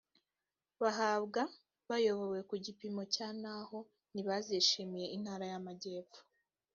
bahabwa bayobowe ku gipimo cya naho ntibazishimiye intara y amajyepfo